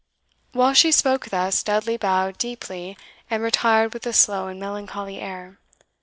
While she spoke thus, Dudley bowed deeply, and retired with a slow and melancholy air.